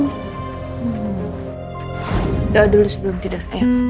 kita dulu sebelum tidur